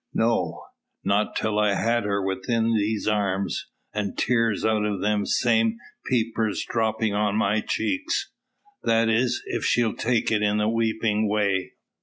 No; not till I've had her within these arms, and tears out o' them same peepers droppin' on my cheeks. That is, if she take it in the weepin' way."